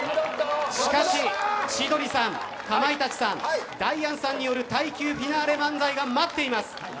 しかし、千鳥さんかまいたちさんダイアンさんによる耐久フィナーレ漫才が待っています。